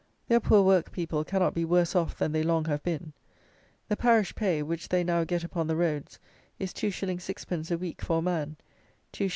Their poor work people cannot be worse off than they long have been. The parish pay, which they now get upon the roads, is 2_s._ 6_d._ a week for a man, 2_s.